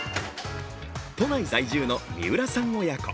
都内在住の三浦さん親子。